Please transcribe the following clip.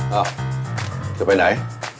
เอ้าจะไปไหน